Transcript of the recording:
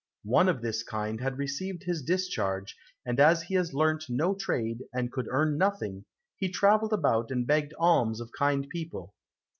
One of this kind had received his discharge, and as he had learnt no trade and could earn nothing, he travelled about and begged alms of kind people.